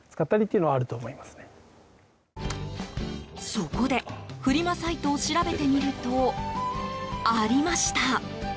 そこで、フリマサイトを調べてみると、ありました。